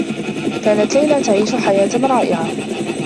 كانت ليلى تعيش حياة رائعة.